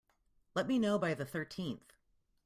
Let me know by the thirteenth.